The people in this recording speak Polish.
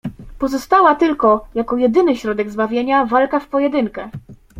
"Pozostała tylko, jako jedyny środek zbawienia, walka w pojedynkę."